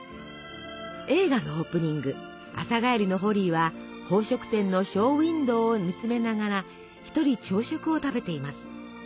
映画のオープニング朝帰りのホリーは宝飾店のショーウインドーを見つめながら一人朝食を食べています。